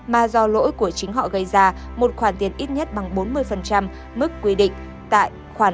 mà do lỗi của chính họ gây ra một khoản tiền ít nhất bằng bốn mươi mức quy định tại khoản